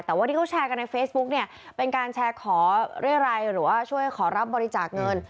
แต่ว่าที่เขาแชร์กันในเฟซบุ๊กเนี่ยเป็นการแชร์ขอเรียรัยหรือว่าช่วยขอรับบริจาคเงิน